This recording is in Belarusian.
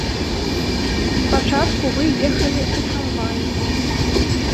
Спачатку вы ехалі ў трамваі.